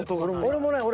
俺もない。